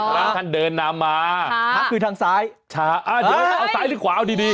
พระท่านเดินนำมาพระคือทางซ้ายช้าอ่าเดี๋ยวจะเอาซ้ายหรือขวาเอาดีดี